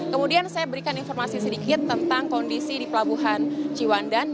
kemudian saya berikan informasi sedikit tentang kondisi di pelabuhan ciwandan